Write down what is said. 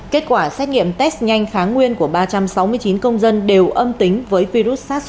kết quả xét nghiệm test nhanh kháng nguyên của ba trăm sáu mươi chín công dân đều âm tính với virus sars cov hai